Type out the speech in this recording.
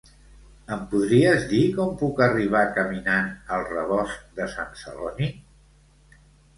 Em podries dir com puc arribar caminant al Rebost de Sant Celoni?